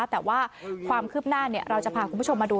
แต่ว่าความคืบหน้าเราจะพาคุณผู้ชมมาดู